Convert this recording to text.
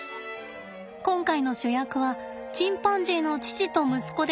今回の主役はチンパンジーの父と息子です。